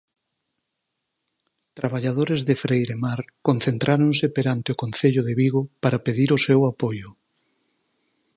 Traballadores de Freiremar concentráronse perante o Concello de Vigo para pedir o seu apoio.